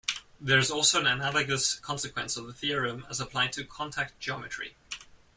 There is also an analogous consequence of the theorem as applied to contact geometry.